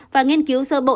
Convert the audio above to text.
và nghiên cứu sơ bộ